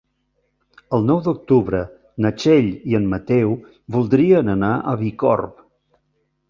El nou d'octubre na Txell i en Mateu voldrien anar a Bicorb.